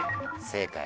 正解！